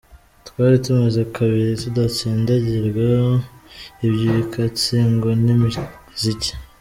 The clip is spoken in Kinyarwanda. Twari tumaze kabiri tudatsindagirwa ivyi bikatsi ngo n’imiziki!!.